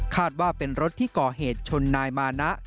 ว่าเป็นรถที่ก่อเหตุชนนายมานะ